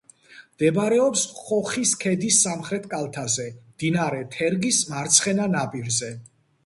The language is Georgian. მდებარეობს ხოხის ქედის სამხრეთ კალთაზე, მდინარე თერგის მარცხენა ნაპირზე.